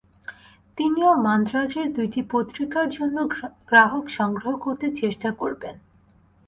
তিনিও মান্দ্রাজের দুইটি পত্রিকার জন্য গ্রাহক সংগ্রহ করতে চেষ্টা করবেন।